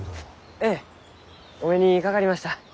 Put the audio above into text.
ええお目にかかりました。